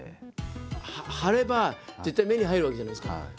貼れば絶対目に入るわけじゃないですか。